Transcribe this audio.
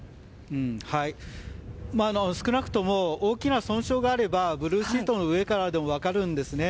少なくとも大きな損傷があればブルーシートの上からでも分かるんですね。